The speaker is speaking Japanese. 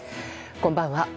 こんばんは。